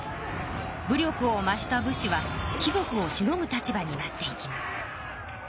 武力を増した武士は貴族をしのぐ立場になっていきます。